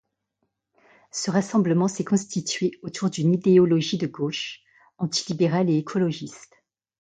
Ce rassemblement s'est constitué autour d'une idéologie de gauche, anti-libérale et écologiste.